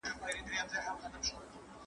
کوم دریځ د نورو د نظریاتو سره پرتله کیدلای سي؟